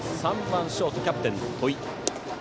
３番ショート、キャプテンの戸井。